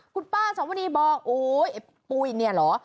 คุณป้าสวนีบอกโอ๊ยไอ้ปุ้ยเนี่ยเหรอ